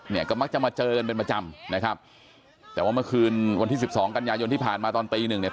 เนี่ยก็มักจะมาเจอกันเป็นประจำนะครับแต่ว่าเมื่อคืนวันที่สิบสองกันยายนที่ผ่านมาตอนตีหนึ่งเนี่ย